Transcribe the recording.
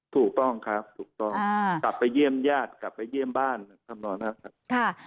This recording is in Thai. ถูกต้องครับถูกต้องกลับไปเยี่ยมญาติกลับไปเยี่ยมบ้านทำนองนั้นครับ